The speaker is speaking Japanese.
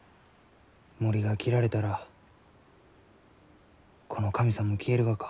森が切られたらこの神さんも消えるがか？